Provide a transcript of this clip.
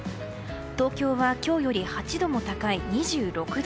東京は今日より８度も高い２６度。